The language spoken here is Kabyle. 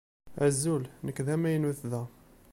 Azul. Nekk d amaynut da.